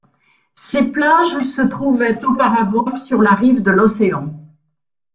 Ces plages se trouvaient auparavant sur la rive de l'océan.